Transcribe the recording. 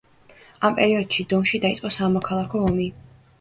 ამ პერიოდში დონში დაიწყო სამოქლაქო ომი.